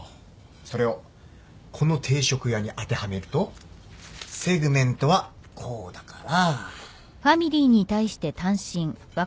それをこの定食屋に当てはめるとセグメントはこうだから。